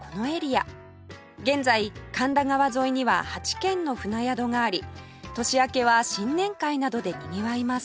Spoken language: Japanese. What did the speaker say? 現在神田川沿いには８軒の船宿があり年明けは新年会などでにぎわいます